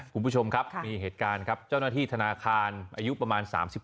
คุณผู้ชมครับมีเหตุการณ์ครับเจ้าหน้าที่ธนาคารอายุประมาณ๓๔